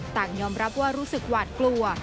ต่างยอมรับว่ารู้สึกหวาดกลัว